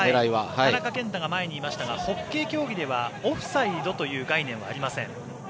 田中健太が前にいましたがホッケー競技ではオフサイドという概念はありません。